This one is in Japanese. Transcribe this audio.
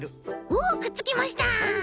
おおくっつきました。